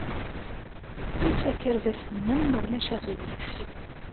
Els akerbas-nnem, ma ulac aɣilif.